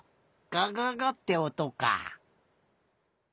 がががっておとか。